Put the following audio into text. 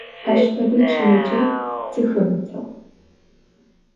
Aş fede çıle cegu sıxemıtığ.